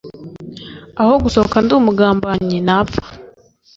aho gusohoka ndi umugambanyi napfa.